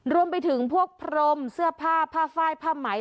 รวมไปถึงพวกพรมเสื้อผ้าผ้าไฟล์ผ้าไหม